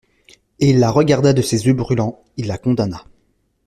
Et il la regarda de ses yeux brûlants, il la condamna.